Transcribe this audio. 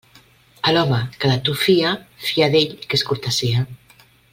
A l'home que de tu fia, fia d'ell que és cortesia.